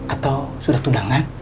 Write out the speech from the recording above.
atau sudah tundangan